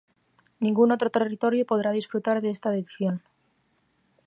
Ningún otro territorio podrá disfrutar de esta edición.